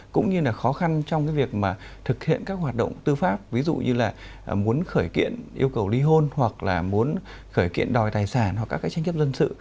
cũng như là khó khăn trong việc thực hiện các hoạt động tư pháp ví dụ như là muốn khởi kiện yêu cầu ly hôn hoặc là muốn khởi kiện đòi tài sản hoặc các tranh kiếp dân sự